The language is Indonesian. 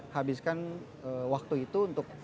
habiskan waktu itu untuk